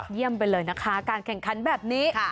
เยี่ยมไปเลยนะคะการแข่งขันแบบนี้